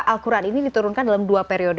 al quran ini diturunkan dalam dua periode